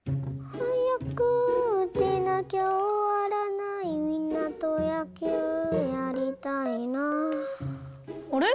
はやくうてなきゃおわらないみんなとやきゅうやりたいなあれ？